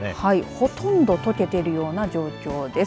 ほとんど溶けているような状況です。